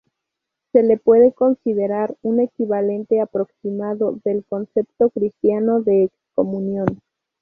Se le puede considerar un equivalente aproximado del concepto cristiano de excomunión.